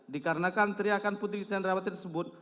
dikarenakan teriakan putri candrawati tersebut